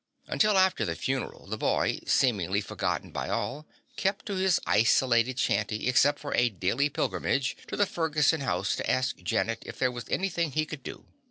Until after the funeral the boy, seemingly forgotten by all, kept to his isolated shanty except for a daily pilgrimage to the Ferguson house to ask Janet if there was anything he could do.